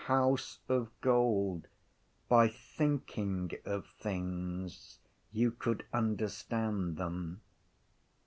House of Gold._ By thinking of things you could understand them.